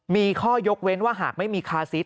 มีข้อยกเว้นว่าหากไม่มีคาซิส